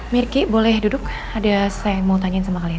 merky boleh duduk ada saya mau tanyain sama kalian